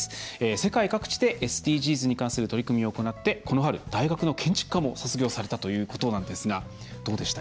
世界各地でＳＤＧｓに関する取り組みを行ってこの春、大学の建築科も卒業されたということなんですがどうでした？